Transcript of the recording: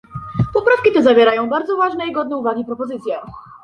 Poprawki te zawierają bardzo ważne i godne uwagi propozycje